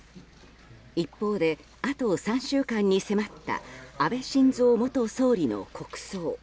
一方であと３週間に迫った安倍晋三元総理の国葬。